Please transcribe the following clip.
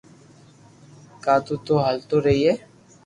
گاڌو تو ھالتو رڄئي